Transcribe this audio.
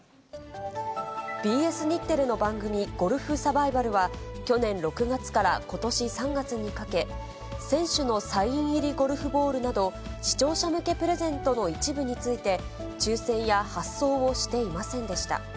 ＢＳ日テレの番組、ゴルフサバイバルは、去年６月からことし３月にかけ、選手のサイン入りゴルフボールなど、視聴者向けプレゼントの一部について、抽せんや発送をしていませんでした。